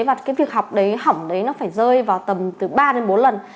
và cái việc học đấy hỏng đấy nó phải rơi vào tầm từ ba đến bốn lần